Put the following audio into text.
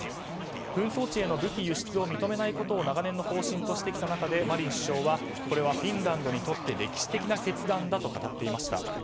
紛争地への武器輸出を認めないことを長年の方針としてきた中でマリン首相はこれはフィンランドにとって歴史的な決断だと語っていました。